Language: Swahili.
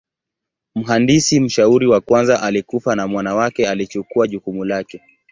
Mhandisi mshauri wa kwanza alikufa na mwana wake alichukua jukumu lake.